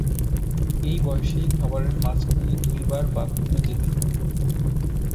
এই বয়সেই খাবারের মাঝখানে দুইবার বাথরুমে যেতে হয়?